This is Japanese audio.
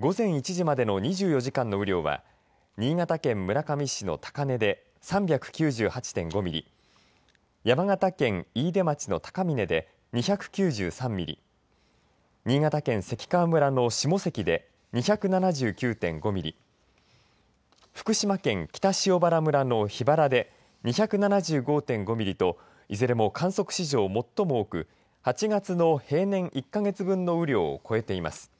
午前１時までの２４時間の雨量は新潟県村上市の高根で３９８．５ミリ山形県飯豊町の高峰で２９３ミリ新潟県関川村の下関で１７９．５ミリ福島県北塩原村の桧原で２７５．５ミリといずれも観測史上最も多く８月の平年１か月分の雨量を超えています。